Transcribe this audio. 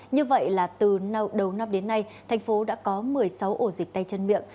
như vậy là từ đầu năm đến nay thành phố đã có một mươi sáu ổ dịch tay chân miệng